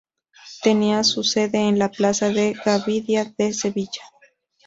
Tenía su sede en la Plaza de Gavidia de Sevilla.